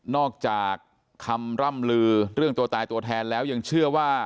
อกจากคำร่ำลือเรื่องตัวตายตัวแทนแล้วยังเชื่อว่า